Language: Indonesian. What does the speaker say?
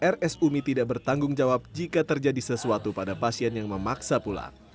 rs umi tidak bertanggung jawab jika terjadi sesuatu pada pasien yang memaksa pulang